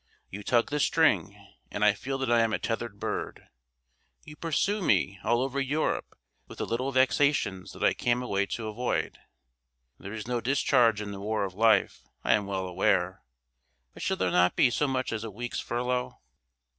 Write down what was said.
You tug the string, and I feel that I am a tethered bird. You pursue me all over Europe with the little vexations that I came away to avoid. There is no discharge in the war of life, I am well aware; but shall there not be so much as a week's furlough?